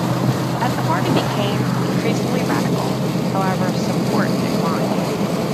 As the party became increasingly radical, however, support declined.